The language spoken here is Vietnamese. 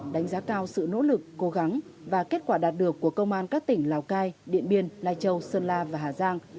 đánh giá cao sự nỗ lực cố gắng và kết quả đạt được của công an các tỉnh lào cai điện biên lai châu sơn la và hà giang